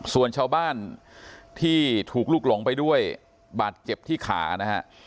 ส่วนชาวบ้านที่ถูกลุกหลงไปด้วยบาดเจ็บที่ขานะฮะ